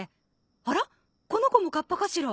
あらこの子もかっぱかしら？